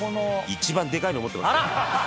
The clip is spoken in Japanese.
一番でかいの持ってますよ。